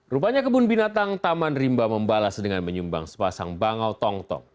rupanya kebun binatang taman rimba membalas dengan menyumbang sepasang bangau tong tong